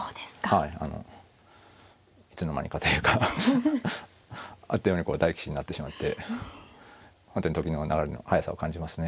はいいつの間にかというかあっという間に大棋士になってしまって本当に時の流れの速さを感じますね。